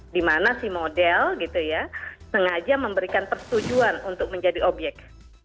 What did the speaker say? di mana si model gitu ya sengaja memberikan persetujuan untuk menjadi obyek